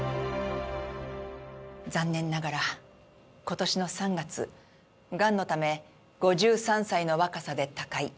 残念ながら今年の３月がんのため５３歳の若さで他界。